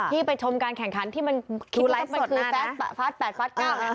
ที่ไปชมการแข่งขันที่มันคิดว่ามันคือฟาส๘ฟาส๙